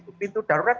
itu pintu darurat